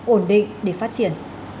ổn định để phát triển